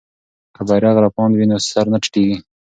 که بیرغ رپاند وي نو سر نه ټیټیږي.